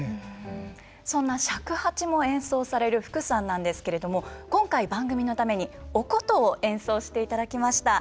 そんな尺八も演奏される福さんなんですけれども今回番組のためにお箏を演奏していただきました。